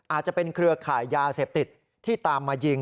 อาจจะเป็นเครือข่ายยาเสพติดที่ตามมายิง